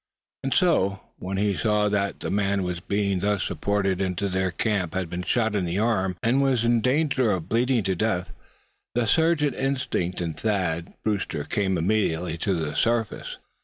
And so, when he saw that the man who was being thus supported into their camp had been shot in the arm, and was in danger of bleeding to death, the surgeon instinct in Thad Brewster came immediately to the surface.